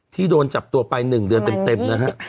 โดนจับตัวไป๑เดือนเต็มนะฮะ